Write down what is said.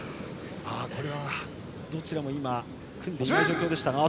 これは、どちらも今組んでいない状況でしたが。